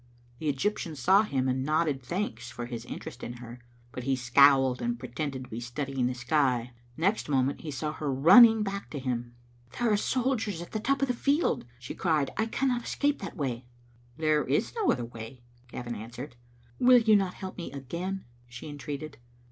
The Egyptian saw him and nodded thanks for his interest in her, but he scowled and pre tended to be studying the sky. Next moment he saw her running back to him. " There are soldiers at the top of the field," she cried. " I cannot escape that way." " There is no other way," Gavin answered. "Will you not help me again?" she entreated.